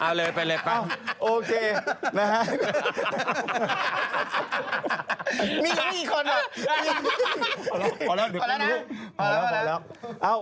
พอแล้วเดี๋ยวแบบนี้พอแล้วพอแล้ว